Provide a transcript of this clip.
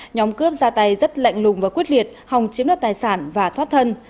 nhóm cướp ra tay rất lạnh lùng và quyết liệt hòng chiếm đoạt tài sản và thoát thân